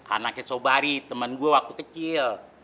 anak kecobari temen gue waktu kecil